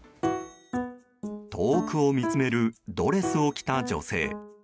遠くを見つめるドレスを着た女性。